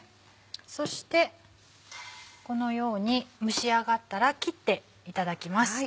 そしてこのように蒸し上がったら切っていただきます。